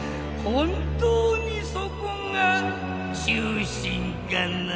本当にそこが中心かな？